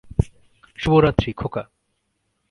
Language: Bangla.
শুভরাত্রি, খোকা।